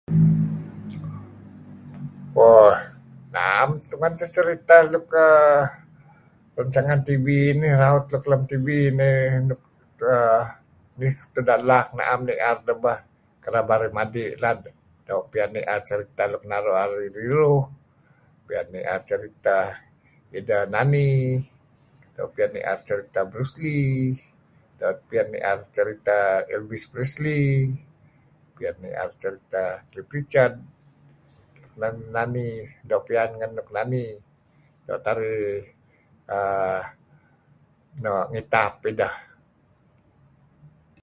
(Motor sound) Mo nem tungen tun teh seriteh nuk keh rancangan TV inih raut nuk lem TV nih tuda' lak naem nier ideh bah. Kereb narih madi' ngilad doo' piyan nier seriteh nuk naru' narih riruh, piyan nier seriteh ideh nani, doo' piyan nier seriteh Bruce Lee, doo' piyan nier seriteh Elvis Pesley, nier seriteh Cliff Richard nan nani nuk doo' piyan ngen nani doo' teh arih uhm noh ngitap ideh.